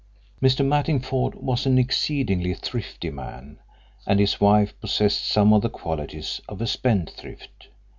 Mr. Mattingford was an exceedingly thrifty man, and his wife possessed some of the qualities of a spendthrift.